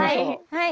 はい。